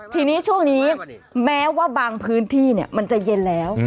ทีนี้ช่วงนี้แม้ว่าบางพื้นที่มันจะเย็นแล้ว